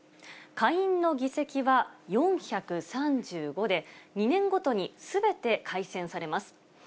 下院の議席は４３５で、２年ごとにすべて改選されます。